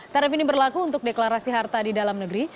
tarif ini berlaku untuk deklarasi harta di dalam negeri